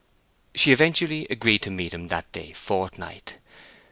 She eventually agreed to see him that day fortnight.